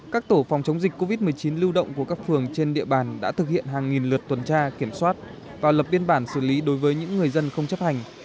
các tổ phòng chống dịch covid một mươi chín lưu động của các phường trên địa bàn đã thực hiện hàng nghìn lượt tuần tra kiểm soát và lập biên bản xử lý đối với những người dân không chấp hành